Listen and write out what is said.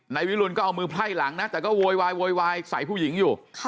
นายวิรุณก็เอามือไพ่หลังนะแต่ก็โวยวายโวยวายใส่ผู้หญิงอยู่